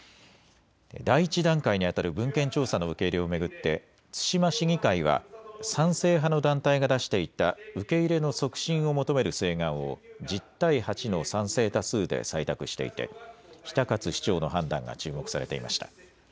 第１段階にあたる文献調査の受け入れを巡って対馬市議会は賛成派の団体が出していた受け入れの促進を求める請願を１０対８の賛成多数で採択していて比田勝市長の判断が注目されていました。